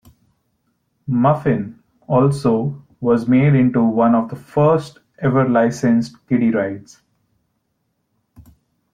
Muffin also was made into one of the first ever licensed kiddie rides.